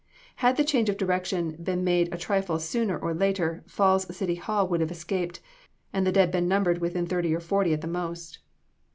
Had the change of direction been made a trifle sooner or later Falls City Hall would have escaped, and the dead been numbered within thirty or forty at the most.